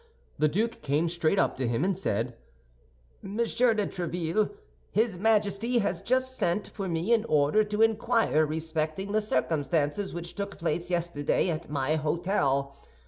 The duke came straight up to him, and said: "Monsieur de Tréville, his Majesty has just sent for me in order to inquire respecting the circumstances which took place yesterday at my hôtel.